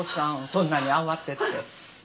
そんなに慌てて。